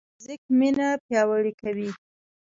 موزیک مینه پیاوړې کوي.